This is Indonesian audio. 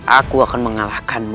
aku akan mengalahkanmu